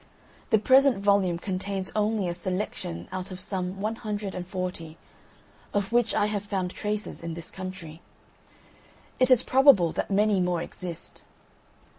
The present volume contains only a selection out of some 140, of which I have found traces in this country. It is probable that many more exist.